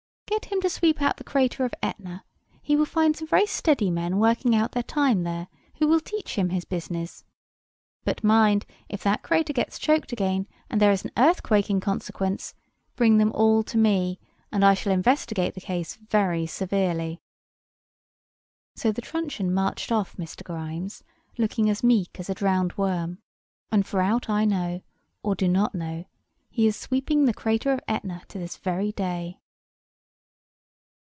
"Get him to sweep out the crater of Etna; he will find some very steady men working out their time there, who will teach him his business: but mind, if that crater gets choked again, and there is an earthquake in consequence, bring them all to me, and I shall investigate the case very severely." So the truncheon marched off Mr. Grimes, looking as meek as a drowned worm. And for aught I know, or do not know, he is sweeping the crater of Etna to this very day.